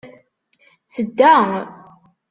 Tedda.